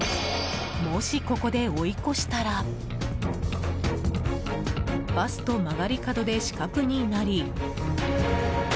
もし、ここで追い越したらバスと曲がり角で死角になり。